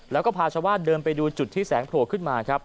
แล้วก็พาชาวบ้านเดินไปดูจุดที่แสงโผล่ขึ้นมาครับ